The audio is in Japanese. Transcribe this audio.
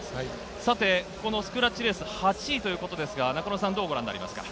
さてスクラッチレース８位ということですが、どうご覧になりますか？